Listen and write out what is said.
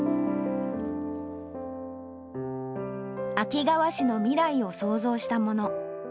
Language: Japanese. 秋川市の未来を想像したもの。